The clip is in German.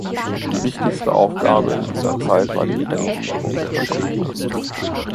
Die wichtigste Aufgabe in dieser Zeit war die Eingliederung der Vertriebenen.